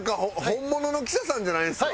本物の記者さんじゃないですか！